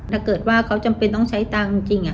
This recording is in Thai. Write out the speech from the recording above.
ถ้าเกิดว่าเขาจำเป็นต้องใช้ตังค์จริง